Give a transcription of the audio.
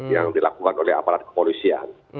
yang dilakukan oleh aparat kepolisian